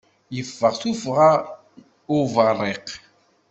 Yeffeɣ tuffɣa n yibarriq.